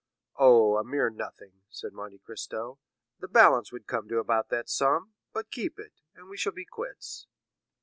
"Oh, a mere nothing," said Monte Cristo. "The balance would come to about that sum; but keep it, and we shall be quits."